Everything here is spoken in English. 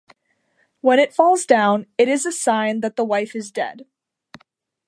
When it falls down, it is a sign that the wife is dead.